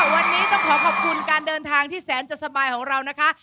วันนี้ต้องขอขอบคุณการเดินทางที่แสนจะสบายของเรานะคะ